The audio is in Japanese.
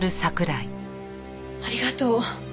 ありがとう。